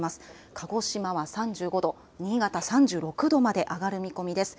鹿児島は３５度、新潟３６度まで上がる見込みです。